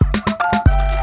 kau mau kemana